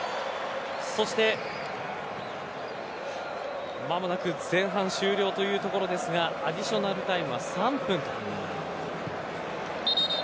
そして間もなく前半終了というところですがアディショナルタイムは３分と。